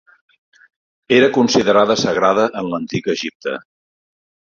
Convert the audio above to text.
Era considerada sagrada en l'antic Egipte.